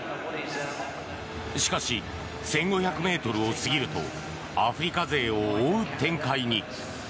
しかし１５００ｍを過ぎるとアフリカ勢を追う展開に。